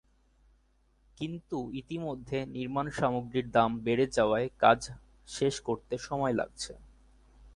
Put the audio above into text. কিন্তু ইতিমধ্যে নির্মাণসামগ্রীর দাম বেড়ে যাওয়ায় কাজ শেষ করতে সময় লাগছে।